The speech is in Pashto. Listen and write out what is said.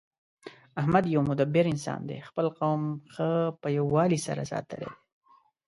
احمد یو مدبر انسان دی. خپل قوم ښه په یووالي سره ساتلی دی